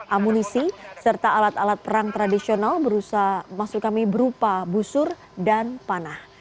amunisi serta alat alat perang tradisional berusaha maksud kami berupa busur dan panah